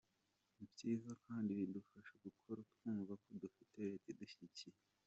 Ni byiza kandi bizadufasha gukora twumva ko dufite Leta idushyigikiye.